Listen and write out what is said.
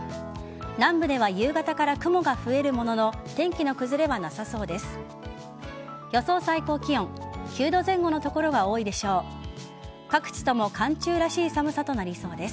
南部では夕方から雲が増えるものの天気の崩れはなさそうです。